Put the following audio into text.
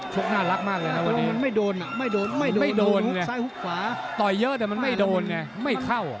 ชกน่ารักมากเลยนะวันนี้ไม่โดนไม่โดนซ้ายหุ้กขวาต่อยเยอะแต่มันไม่โดนไม่เข้า